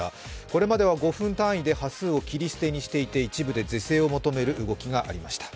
これまでは５分単位で切り捨てをしていて一部で是正を求める動きがありました。